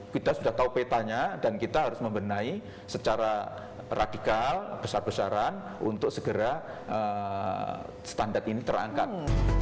kita sudah tahu petanya dan kita harus membenahi secara radikal besar besaran untuk segera standar ini terangkat